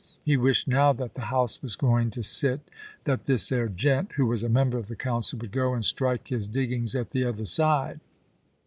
He wished now that the House was going to sit, that this 'ere gent, who was a member of the Council, would go and strike his diggings at the other side.